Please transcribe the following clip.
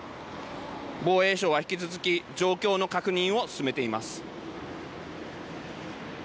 防衛省は引き続き状況の確認を進めています。